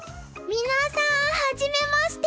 皆さん初めまして。